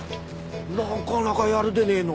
なかなかやるでねえの。